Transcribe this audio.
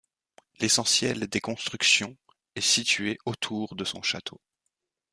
L'essentiel des constructions est situé autour de son château.